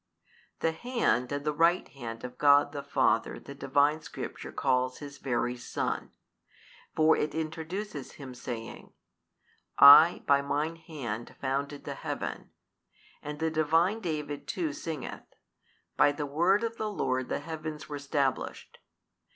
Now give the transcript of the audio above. The Hand and the Right Hand of God the Father the Divine Scripture calls His Very Son. For it introduces Him saying, I by Mine Hand founded the Heaven, and the Divine David too singeth, By the Word of the Lord the Heavens were stablished.